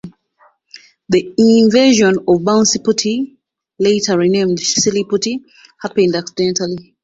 The invention of Bouncy Putty, later renamed Silly Putty, happened accidentally.